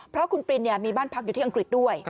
เพราะคุณปรินมีบ้านพักอยู่ที่อังกฤษด้วย